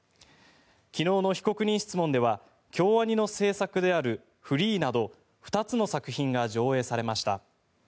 昨日の被告人質問では京アニの制作である「Ｆｒｅｅ！」など２つの作品が上映されました。